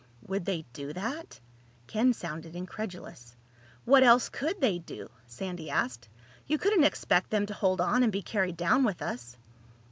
"Would they do that?" Ken sounded incredulous. "What else could they do?" Sandy asked. "You couldn't expect them to hold on and be carried down with us."